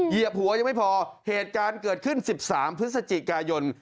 เหยียบหัวยังไม่พอเหตุการณ์เกิดขึ้น๑๓พฤศจิกายน